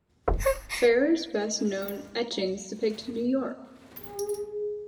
Farrer's best known etchings depict New York.